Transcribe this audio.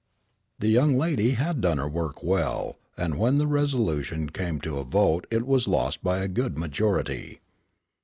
The young lady had done her work well, and when the resolution came to a vote it was lost by a good majority.